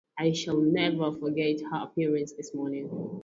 I shall never forget her appearance this morning.